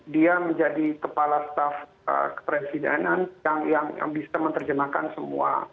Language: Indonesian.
dia menjadi kepala staff presidenan yang bisa menerjemahkan semua